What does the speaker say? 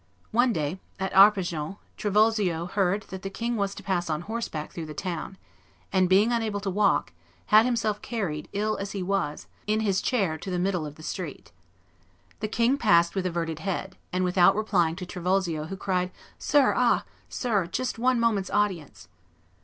One day, at Arpajon, Trivulzio heard that the king was to pass on horseback through the town; and, being unable to walk, had himself carried, ill as he was, in his chair to the middle of the street. The king passed with averted head, and without replying to Trivulzio, who cried, "Sir, ah! sir, just one moment's audience!"